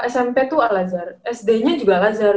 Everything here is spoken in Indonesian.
smp tuh al azhar sdnya juga al azhar